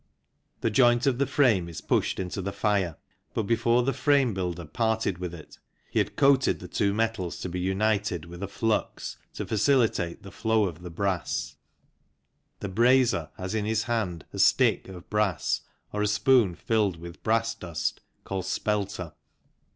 The joint of the frame is pushed into the fire, but before the frame builder parted with it he had coated the two metals to be united with a flux to facilitate the flow of the brass. The brazer has in his hand a " stick " of brass or a spoon filled with brass dust called " spelter."